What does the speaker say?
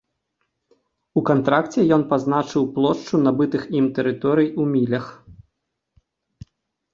У кантракце ён пазначыў плошчу набытых ім тэрыторый у мілях.